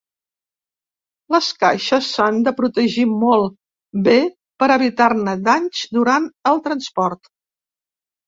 Les caixes s'han de protegir molt bé per evitar-ne danys durant el transport.